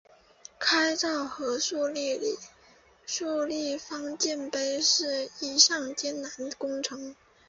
开凿和竖立方尖碑是一项艰巨工程。